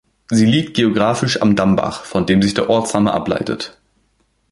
Sie liegt geografisch am Dammbach, von dem sich der Ortsname ableitet.